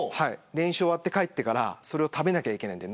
練習終わって帰ってからそれを残さず食べなければいけない。